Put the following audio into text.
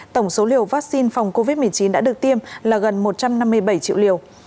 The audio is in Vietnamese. tổng số liều vaccine phòng covid một mươi chín đã được tiêm là gần một trăm năm mươi bảy triệu liều